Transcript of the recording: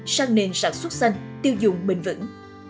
sang nền sản xuất xanh tiêu dùng bình vững